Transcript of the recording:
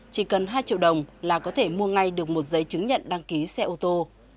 chỉ cần hai triệu đồng là có thể mua ngay được một giấy chứng nhận đăng ký xe ô tô